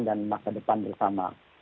dan maka depan bersama